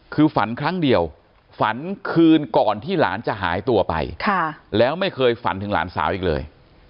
คือฝันครั้งเดียวฝันคืนก่อนที่หลานจะหายตัวไปแล้วไม่เคยฝันถึงหลานสาวอีกเลย